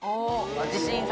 自信作。